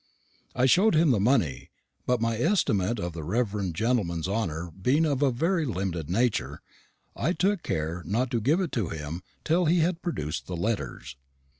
I showed him the money; but my estimate of the reverend gentleman's honour being of a very limited nature, I took care not to give it to him till he had produced the letters.